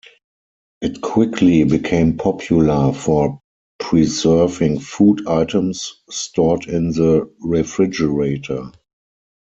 It quickly became popular for preserving food items stored in the refrigerator.